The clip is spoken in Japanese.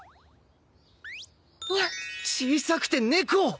小さくて猫！